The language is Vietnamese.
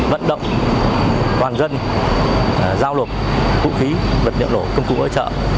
vận động hoàn dân giao lục vũ khí vật liệu nổ công cụ hỗ trợ